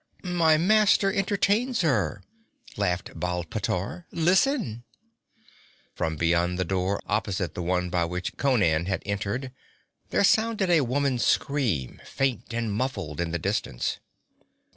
'My master entertains her!' laughed Baal pteor. 'Listen!' From beyond a door opposite the one by which Conan had entered there sounded a woman's scream, faint and muffled in the distance.